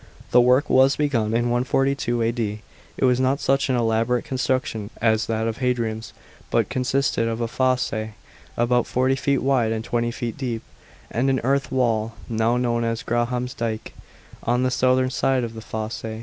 The work was begun in 142 A.D. It was not such an elaborate construction as that of Hadrian's, but consisted of a fosse (about 40 feet wide and 20 feet deep) and an earth wall (now known as Graham's dyke) on the southern side of the fosse.